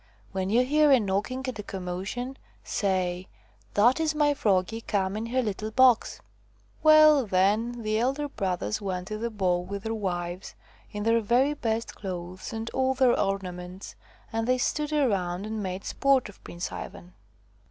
When you hear a knocking and a commotion, say: ' That is my Froggie come in her little box/ " Well, then, the elder brothers went to the ball with their wives, in their very best clothes and all their ornaments, and they stood around and made sport of Prince Ivan.